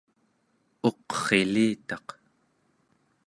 uqrilitaq